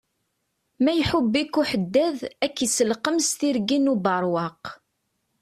Ma iḥubb-ik uḥeddad, ak iselqem s tirgin ubeṛwaq.